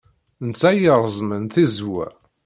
D netta ay ireẓẓmen tizewwa.